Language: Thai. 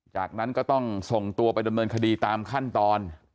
จากนั้นก็ต้องส่งตัวไปดำเนินคดีตามขั้นตอน